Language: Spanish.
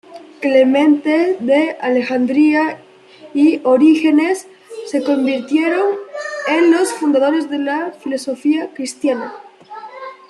Clemente de Alejandría y Orígenes se convirtieron en los fundadores de la filosofía cristiana.